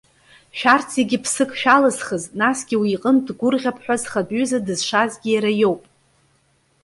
Шәарҭ зегьы ԥсык шәалызхыз, насгьы уи иҟынтә дгәырӷьап ҳәа зхатә ҩыза дызшазгьы иара иоуп.